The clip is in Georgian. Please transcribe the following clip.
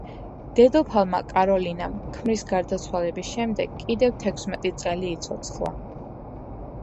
დედოფალმა კაროლინამ ქმრის გარდაცვალების შემდეგ კიდევ თექვსმეტი წელი იცოცხლა.